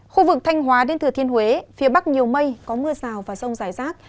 khu vực thanh hóa đến thừa thiên huế phía bắc nhiều mây có mưa rào và rông rải rác